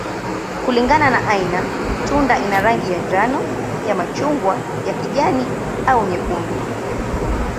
Kulingana na aina, tunda ina rangi ya njano, ya machungwa, ya kijani, au nyekundu.